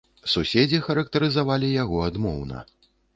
Суседзі характарызавалі яго адмоўна.